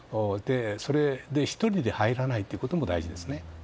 それで１人で入らないのも大事ですね。